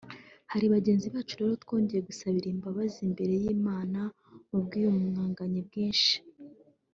Hari bagenzi bacu rero twongeye gusabira imbabazi imbere y’Imana mu bw’iyumanganye bwinshi